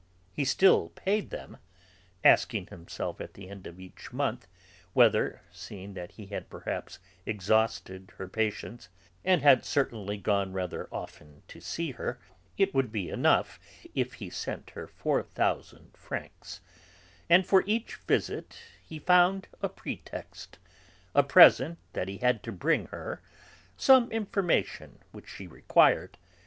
He still paid them (asking himself at the end of each month whether, seeing that he had perhaps exhausted her patience, and had certainly gone rather often to see her, it would be enough if he sent her four thousand francs), and for each visit he found a pretext, a present that he had to bring her, some information which she required, M.